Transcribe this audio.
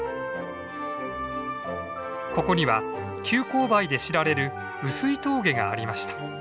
ここには急勾配で知られる碓氷峠がありました。